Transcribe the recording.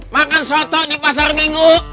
makan soto di pasar minggu